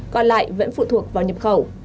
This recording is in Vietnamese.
còn lại vẫn phụ thuộc vào nhập khẩu